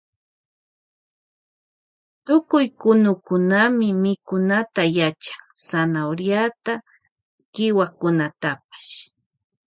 Tukuy kunukunami mikunata yachan zanahoriata y hiwakunatapash.